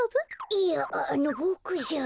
いやあのボクじゃ。